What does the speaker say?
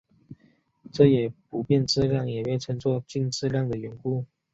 这也是不变质量也被称作静质量的缘故。